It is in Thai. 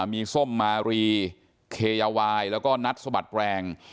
มีส้มมารีเคยาวายแล้วก็นัดสะบัดแรง